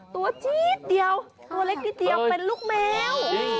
จี๊ดเดียวตัวเล็กนิดเดียวเป็นลูกแมว